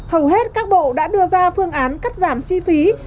hầu hết các bộ đã đưa ra phương án cắt giảm chi phí